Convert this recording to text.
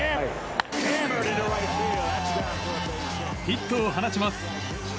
ヒットを放ちます。